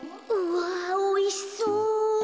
うわおいしそう。